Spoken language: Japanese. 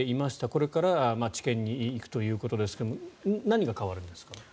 これから地検に行くということですが何が変わるんですか？